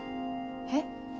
えっ。